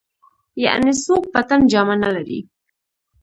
يعنې څوک په تن جامه نه لري.